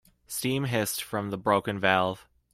Steam hissed from the broken valve.